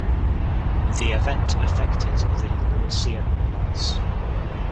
The event affected the Lewisian gneiss.